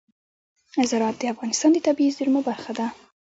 زراعت د افغانستان د طبیعي زیرمو برخه ده.